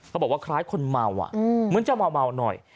เขาบอกว่าคล้ายคนเมาอ่ะอืมเหมือนจะเมาเมาหน่อย